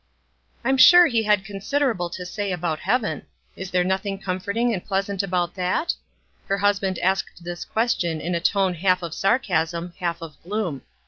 " "I'm sure he had considerable to say about heaven. Is there nothing comforting and pleas ant about that ?" Her husband asked this ques tion in a tone half of sarcasm, half of gloom.